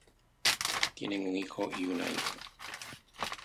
Tienen un hijo y una hija